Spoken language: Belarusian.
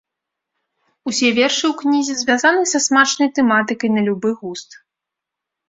Усе вершы ў кнізе звязаны са смачнай тэматыкай на любы густ.